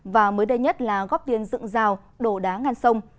và mới đây nhất là góp tiền dựng rào đổ đá ngăn sông